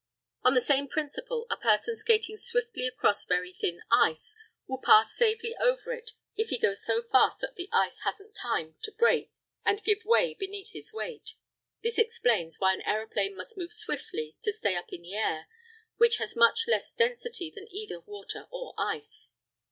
On the same principle, a person skating swiftly across very thin ice will pass safely over if he goes so fast that the ice hasn't time to break and give way beneath his weight. This explains why an aeroplane must move swiftly to stay up in the air, which has much less density than either water or ice.